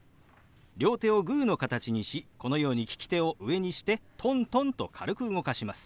両手をグーの形にしこのように利き手を上にしてトントンと軽く動かします。